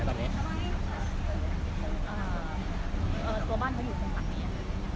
ตัวบ้านเขาอยู่ฝั่งนี้